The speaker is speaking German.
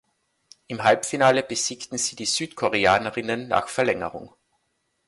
Im Halbfinale besiegten sie die Südkoreanerinnen nach Verlängerung.